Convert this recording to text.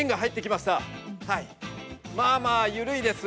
まあまあ緩いです。